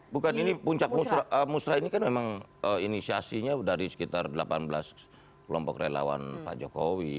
bukan ini puncak musrah ini kan memang inisiasinya dari sekitar delapan belas kelompok relawan pak jokowi